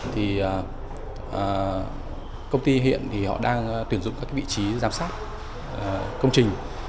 thì công ty hiện thì họ đang tuyển dụng các vị trí giám sát công trình